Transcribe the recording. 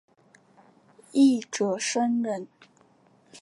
一者生忍。